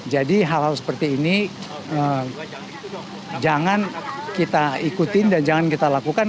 jadi hal hal seperti ini jangan kita ikutin dan jangan kita lakukan